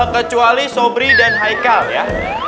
kecuali sobri dan haikal ya